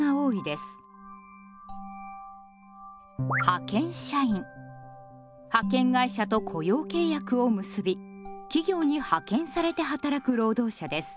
派遣会社と雇用契約を結び企業に派遣されて働く労働者です。